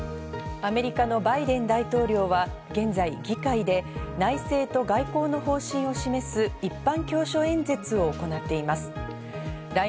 アメリカのバイデン大統領は現在、議会で内政と外交の方針を示す一般教書演説を行っています。